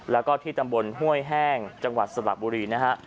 แล้วก็ที่ตำบลห้วยแห้งจังหวัดสระบุรีนะฮะ